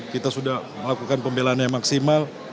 kita sudah melakukan pembelanannya maksimal